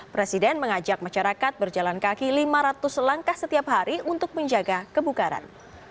presiden mengajak masyarakat berjalan kaki lima ratus langkah setiap hari untuk menjaga kebukaran